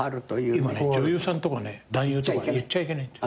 今ね女優さんとかね男優とか言っちゃいけない。